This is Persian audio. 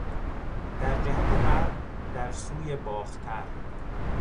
در جهت غرب، در سوی باختر